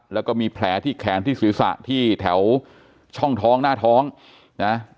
แล้วก็มีแผลที่แขนที่ศีรษะที่แถวช่องท้องหน้าท้องนะ